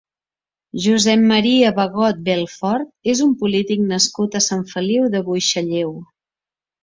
Josep Maria Bagot Belfort és un polític nascut a Sant Feliu de Buixalleu.